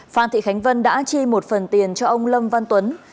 phan thị khánh vân đã chi một phần tiền cho ông lâm văn tuấn